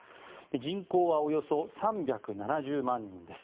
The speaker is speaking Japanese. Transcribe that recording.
人口はおよそ３７０万人です。